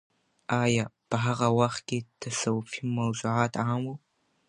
آیا په هغه وخت کې تصوفي موضوعات عام وو؟